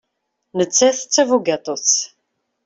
Nettat d tabugaṭut.